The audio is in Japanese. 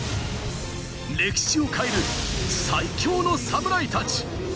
歴史を変える最強の侍たち。